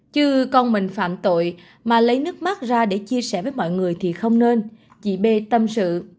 chứ con mình phạm tội mà lấy nước mát ra để chia sẻ với mọi người thì không nên chị bê tâm sự